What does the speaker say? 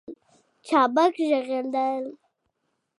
چابک ږغېدل